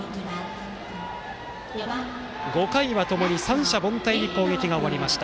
５回はともに三者凡退に攻撃が終わりました。